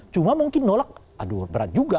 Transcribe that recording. cuma mungkin nolak aduh berat juga